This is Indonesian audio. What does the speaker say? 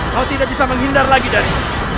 kau tidak bisa menghindar lagi dari